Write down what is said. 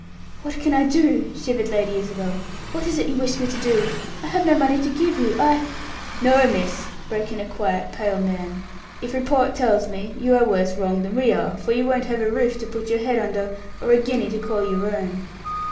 "What can I do?" shivered Lady Isabel. "What is it you wish me to do? I have no money to give you, I " "No, miss," broke in a quiet, pale man; "if report tells me, you are worse wronged than we are, for you won't have a roof to put your head under, or a guinea to call your own."